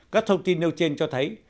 các thông tin nêu trên cho thấy